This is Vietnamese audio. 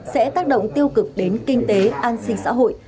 sẽ tác động tiêu cực đến kinh tế an sinh xã hội